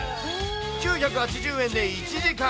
９８０円で１時間。